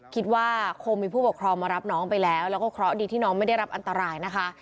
คิดว่าคงมีผู้ปกครองมารับน้องไปแล้วแล้วก็เคราะห์ดีที่น้องไม่ได้รับอันตรายนะคะ